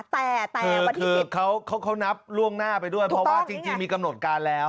แต่วันนี้คือเขานับล่วงหน้าไปด้วยเพราะว่าจริงมีกำหนดการแล้ว